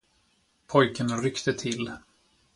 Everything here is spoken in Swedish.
Pojken ryckte till.